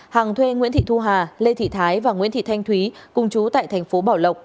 hằng thuê nguyễn thị thu hà lê thị thái và nguyễn thị thanh thúy cùng chú tại thành phố bảo lộc